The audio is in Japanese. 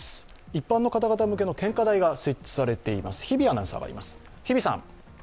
一般の方々向けの献花台が設置されています。